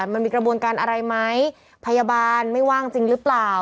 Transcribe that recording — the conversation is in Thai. มันมีกระบวนการอะไรไหมพยาบาลไม่ว่างจริงหรือเปล่า